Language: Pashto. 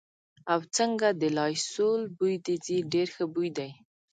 او، څنګه د لایسول بوی دې ځي، ډېر ښه بوی دی.